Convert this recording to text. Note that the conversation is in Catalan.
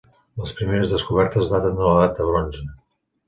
Les primeres descobertes daten de l'edat de bronze.